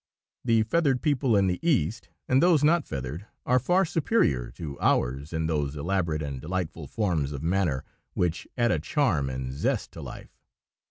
The feathered people in the East, and those not feathered, are far superior to ours in those elaborate and delightful forms of manner which add a charm and zest to life.